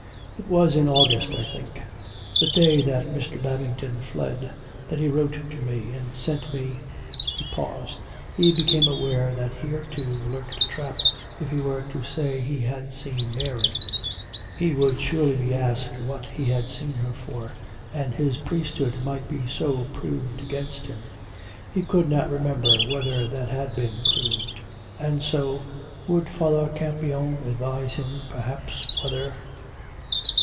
"It was in August, I think; the day that Mr. Babington fled, that he wrote to me ; and sent me " (He paused: he became aware that here, too, lurked a trap if he were to say he had seen Mary; he would surely be asked what he had seen her for, and his priesthood might be so proved against him. ... He could not remember whether that had been proved; and so ... would Father Campion advise him perhaps whether